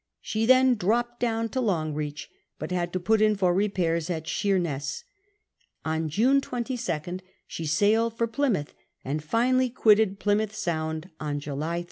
She then dropped down to Longreach, but had to put in for repairs at Sheemess. On June 22rid she sailed for Plymouth, and finally quitted Plymouth Sound on July 13th.